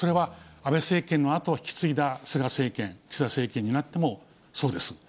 安倍政権のあとを引き継いだ菅政権、岸田政権になってもそうです。